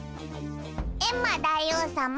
エンマ大王さま。